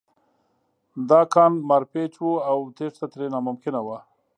دا کان مارپیچ و او تېښته ترې ناممکنه وه